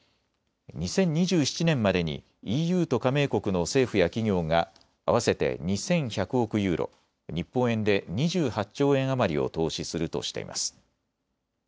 ２０２７年までにＥＵと加盟国の政府や企業が合わせて２１００億ユーロ、日本円で２８兆円余りを投資するとしています。